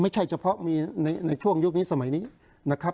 เฉพาะมีในช่วงยุคนี้สมัยนี้นะครับ